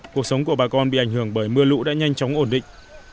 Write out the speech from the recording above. cuộc sống của bà con bị ảnh hưởng bởi mưa lũ đã nhanh chóng ổn định